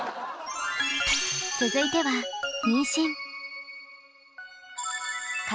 続いては妊娠。